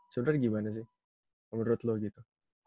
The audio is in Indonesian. sebenernya gimana sih menurut lu gitu